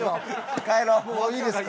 もういいですか？